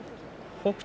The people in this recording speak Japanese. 北勝